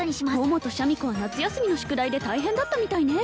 桃とシャミ子は夏休みの宿題で大変だったみたいね